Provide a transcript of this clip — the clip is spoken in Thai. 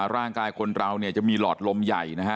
ร่างกายคนเราเนี่ยจะมีหลอดลมใหญ่นะฮะ